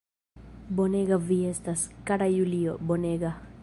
Bonega vi estas, kara Julio, bonega!